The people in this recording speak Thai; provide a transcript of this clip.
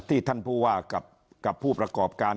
ท่านผู้ว่ากับผู้ประกอบการ